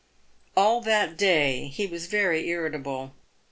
All that day he was very irritable.